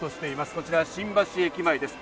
こちら新橋駅前です。